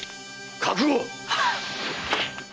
覚悟！